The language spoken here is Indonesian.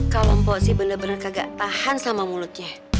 kalau mpok sih bener bener kagak tahan sama mulutnya